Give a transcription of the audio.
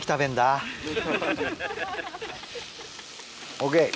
ＯＫ。